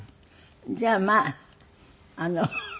じゃあまああのフフ！